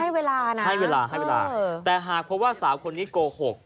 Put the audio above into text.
เวลานะให้เวลาให้เวลาแต่หากพบว่าสาวคนนี้โกหก